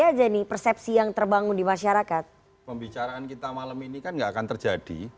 aja nih persepsi yang terbangun di masyarakat pembicaraan kita malam ini kan enggak akan terjadi